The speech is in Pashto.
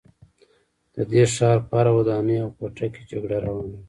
د دې ښار په هره ودانۍ او کوټه کې جګړه روانه وه